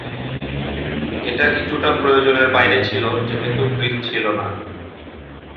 এটি কিছুটা প্রয়োজনের বাইরে ছিল যেহেতু ফ্রিজ ছিলনা।